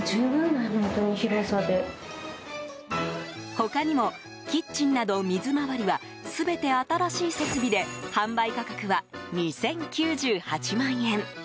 他にも、キッチンなど水回りは全て新しい設備で販売価格は２０９８万円。